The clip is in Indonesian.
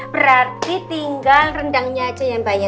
berarti tinggal rendangnya aja ya mbak ya